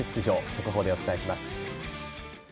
速報でお伝えします。